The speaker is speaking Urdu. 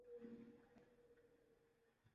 آپ ان کو یہ سہولت دیں، کون آپ کا ہاتھ پکڑ رہا ہے؟